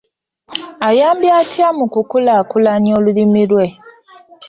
Ayambye atya mu kukulaakulanya olulimi lwe.